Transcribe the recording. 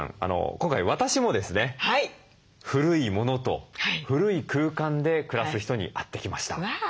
今回私もですね古いものと古い空間で暮らす人に会ってきました。